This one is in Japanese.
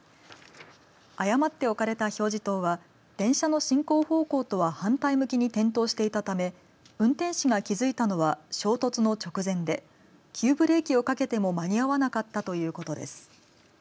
誤って置かれた表示灯は電車の進行方向とは反対向きに点灯していたため運転士が気づいたのは衝突の直前で急ブレーキをかけても間に合わなかったということです。